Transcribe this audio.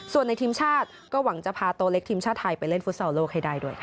ส่วนในทีมชาติก็หวังจะพาตัวเล็กทีมชาติไทยไปเล่นฟุตซอลโลกให้ได้ด้วยค่ะ